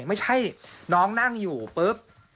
ไม่ใช่น้องนั่งอยู่ปุ๊บ